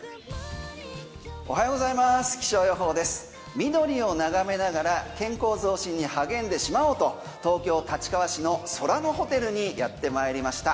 緑を眺めながら健康増進に励んでしまおうと東京・立川市のＳＯＲＡＮＯＨＯＴＥＬにやってまいりました。